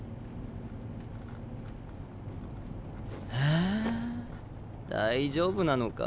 あ大丈夫なのか？